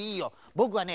ぼくはね